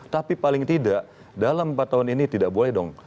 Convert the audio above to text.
tapi paling tidak dalam empat tahun ini tidak boleh dong